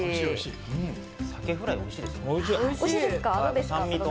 サケフライ、おいしいですね。